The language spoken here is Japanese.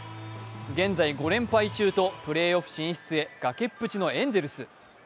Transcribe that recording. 現在、５連敗中とプレーオフ進出へ崖っぷちのエンゼルス。